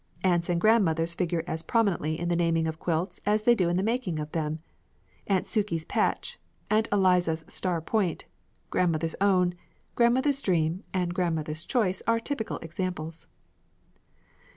Aunts and grandmothers figure as prominently in the naming of quilts as they do in the making of them. "Aunt Sukey's Patch," "Aunt Eliza's Star Point," "Grandmother's Own," "Grandmother's Dream," and "Grandmother's Choice" are typical examples.